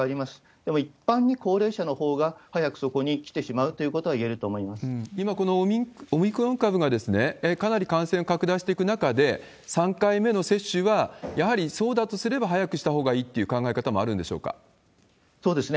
でも一般に高齢者のほうが早くそこに来てしまうということはいえ今、このオミクロン株がかなり感染を拡大していく中で、３回目の接種は、やはりそうだとすれば早くしたほうがいいっていう考え方もあるんそうですね。